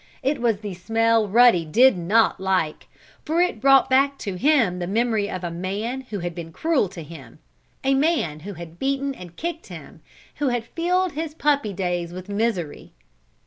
It was the smell Ruddy did not like, for it brought back to him the memory of a man who had been cruel to him a man who had beaten and kicked him who had filled his puppy days with misery.